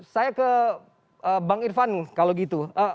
saya ke bang irfan kalau gitu